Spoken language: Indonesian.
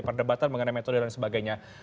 perdebatan mengenai metode dan sebagainya